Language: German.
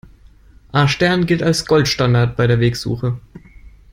A-Stern gilt als Goldstandard bei der Wegsuche.